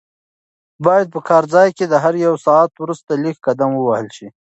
باید په کار ځای کې د هر یو ساعت وروسته لږ قدم ووهل شي.